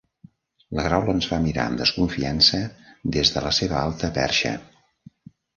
La graula ens va mirar amb desconfiança des de la seva alta perxa.